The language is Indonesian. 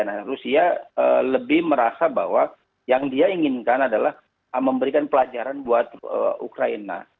nah rusia lebih merasa bahwa yang dia inginkan adalah memberikan pelajaran buat ukraina